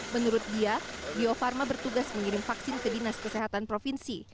menurut dia bio farma bertugas mengirim vaksin ke dinas kesehatan provinsi